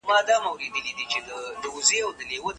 څه ډول کارونه باید د شپې له خوا ونکړو؟